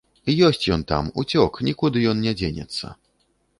Ёсць ён там, уцёк, нікуды ён не дзенецца.